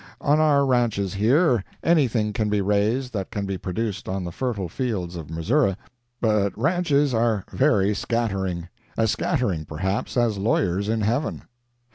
On our ranches here, anything can be raised that can be produced on the fertile fields of Missouri. But ranches are very scattering—as scattering, perhaps, as lawyers in heaven.